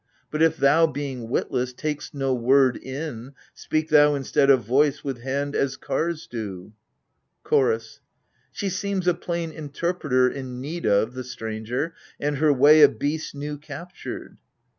But if thou, being witless, taVst no word in, Speak thou, instead of voice, with hand as Kars do ! CHORDS. She seems a plain interpreter in need of, The stranger ! and her way— a beast's new captured